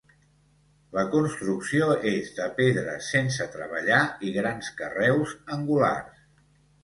La construcció és de pedres sense treballar i grans carreus angulars.